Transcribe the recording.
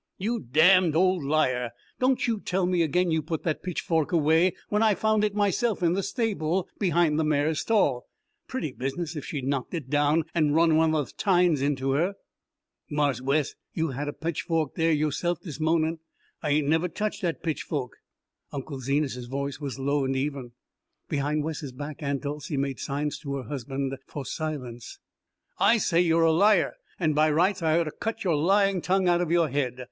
"You damned old liar don't you tell me again you put that pitchfork away when I found it myself in the stable behind the mare's stall. Pretty business if she'd knocked it down and run one of the tines into her." "Marse Wes, you haddat pitchfo'k dere yo'se'f dis mawnin'; I ain't nevah touch dat pitchfo'k." Unc' Zenas's voice was low and even. Behind Wes's back Aunt Dolcey made signs to her husband for silence. "I tell you you're a liar, and by rights I ought to cut your lying tongue out of your head!